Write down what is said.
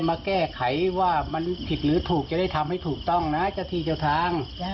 สักทีก็ท้าทำไมไม่ท้า